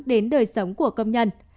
đến đời sống của công nhân